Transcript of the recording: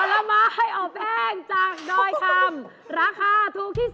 ด้อยคำคุณโทชล์ยังจักรคมราคาถูกที่สุด